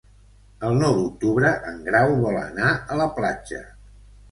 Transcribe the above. El nou d'octubre en Grau vol anar a la platja.